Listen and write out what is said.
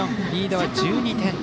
リードは１２点。